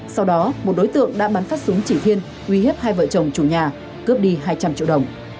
sau đó một đối tượng đã bắn phát súng chỉ thiên uy hiếp hai vợ chồng chủ nhà cướp đi hai trăm linh triệu đồng